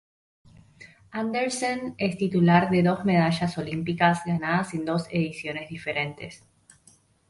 Andersen es titular de dos medallas olímpicas ganadas en dos ediciones diferentes.